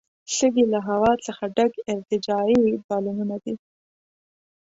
سږي له هوا څخه ډک ارتجاعي بالونونه دي.